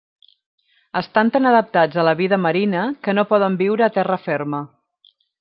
Estan tan adaptats a la vida marina que no poden viure a terra ferma.